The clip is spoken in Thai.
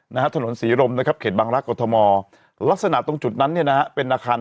นะฮะถนนสี่รมนะครับเขตบังลากกรมศ์ทธมลักษณะตรงจุดนั้นเนี้ยนะครับ